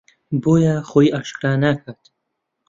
بۆیە خۆی ئاشکرا ناکات